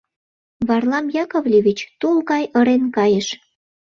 Варлам Яковлевич тул гай ырен кайыш.